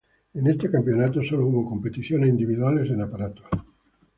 En este campeonato solo hubo competiciones individuales en aparatos.